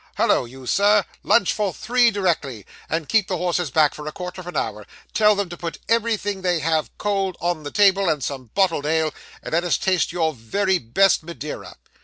Hollo, you sir! Lunch for three, directly; and keep the horses back for a quarter of an hour. Tell them to put everything they have cold, on the table, and some bottled ale, and let us taste your very best Madeira.